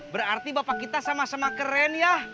berarti bapak kita sama sama keren ya